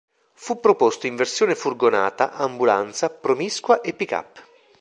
Fu proposto in versione furgonata, ambulanza, promiscua e pick-up.